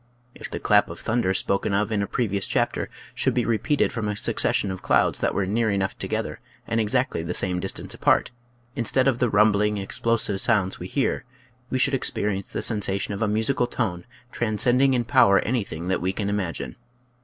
If the clap of thunder spoken of in a previous chapter should be re peated from a succession of clouds that were near enough together and exactly the same distance apart, instead of the rumbling, ex plosive sounds we hear we should experience the sensation of a musical tone transcending in power anything that we can imagine.